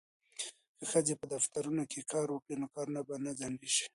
که ښځې په دفترونو کې کار وکړي نو کارونه به نه ځنډیږي.